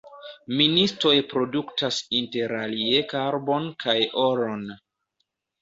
Ministoj produktas interalie karbon kaj oron.